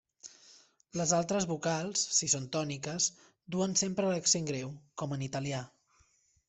Les altres vocals, si són tòniques, duen sempre l'accent greu, com en italià.